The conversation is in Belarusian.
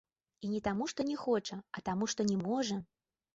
І не таму, што не хоча, а таму, што не можа.